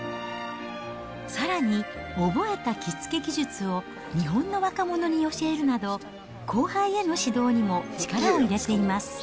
さらに、覚えた着付け技術を日本の若者に教えるなど、後輩への指導にも力を入れています。